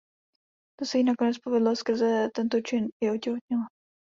To se jí nakonec povedlo a skrze tento čin i otěhotněla.